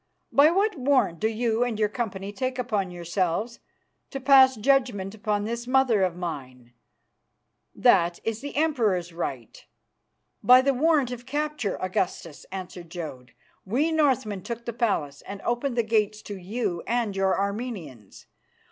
By what warrant do you and your company take upon yourselves to pass judgment upon this mother of mine? That is the Emperor's right." "By the warrant of capture, Augustus," answered Jodd. "We Northmen took the palace and opened the gates to you and your Armenians.